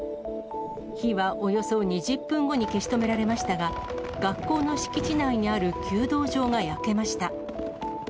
火はおよそ２０分後に消し止められましたが、学校に敷地内にある弓道場が焼けました。